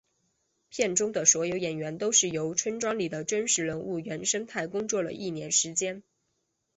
片中的所有演员都是由村庄里的真实人物原生态工作了一年时间。